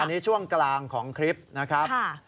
อันนี้ช่วงกลางของคลิปนะครับ